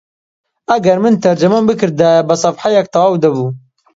ئەگەر من تەرجەمەم بکردایە بە سەفحەیەک تەواو دەبوو